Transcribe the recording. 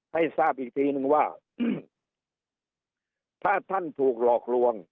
ให้ทราบอีกทีนึงว่าถ้าท่านถูกหลอกลวง